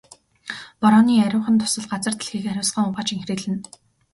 Борооны ариухан дусал газар дэлхийг ариусган угааж энхрийлнэ.